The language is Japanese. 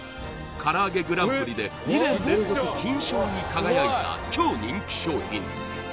唐揚げグランプリで２年連続金賞に輝いた超人気商品